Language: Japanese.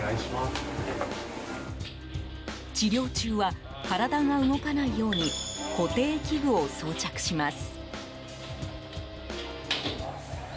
治療中は、体が動かないように固定器具を装着します。